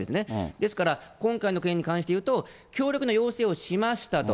ですから、今回の件に関していうと、強力な要請をしましたと。